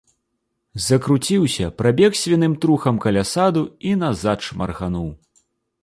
Закруціўся, прабег свіным трухам каля саду і назад шмаргануў.